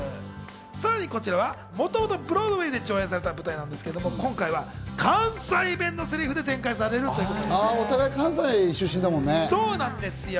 さらにこちらはもともとブロードウェーで上演された舞台なんですけれども、今回は前編関西弁のセリフで展開されるそうなんです。